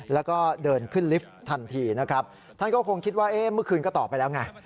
แล้วก็เดินขึ้นลิฟต์ทันทีนะครับท่านก็คงคิดว่าเอ๊ะเมื่อคืนก็ตอบไปแล้วไง